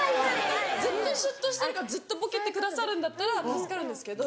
ずっとシュッとしてるかずっとボケてくださるんだったら助かるんですけど。